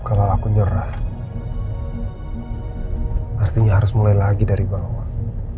kalau aku nyerah artinya harus mulai lagi dari bawah